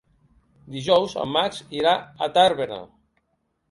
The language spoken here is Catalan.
Dijous en Max irà a Tàrbena.